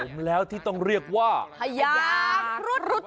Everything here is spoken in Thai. ผมแล้วที่ต้องเรียกว่าพยายามรุด